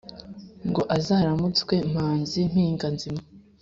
ngo azaramutswe mpanzi mpinga nzima